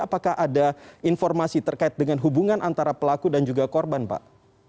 apakah ada informasi terkait dengan hubungan antara pelaku dan juga korban pak